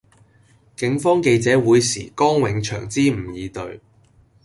警方記者會時江永祥支吾以對